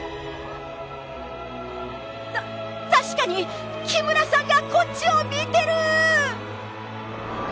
確かに木村さんがこっちを見てる。